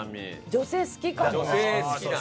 女性好きかも。